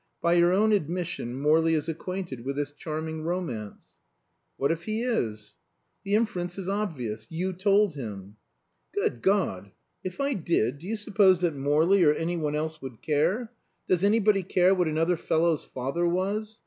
By your own admission Morley is acquainted with this charming romance." "What if he is?" "The inference is obvious. You told him." "Good God! If I did, do you suppose that Morley or any one else would care? Does anybody care what another fellow's father was?